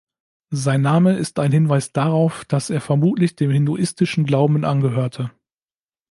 Sein Name ist ein Hinweis darauf, dass er vermutlich dem hinduistischen Glauben angehörte.